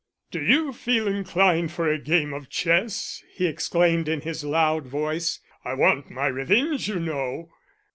"Do you feel inclined for a game of chess?" he exclaimed in his loud voice. "I want my revenge, you know."